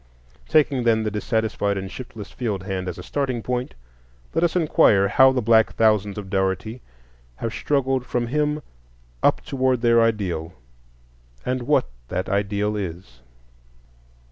Taking, then, the dissatisfied and shiftless field hand as a starting point, let us inquire how the black thousands of Dougherty have struggled from him up toward their ideal, and what that ideal is.